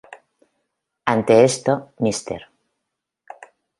Ante esto, Mr.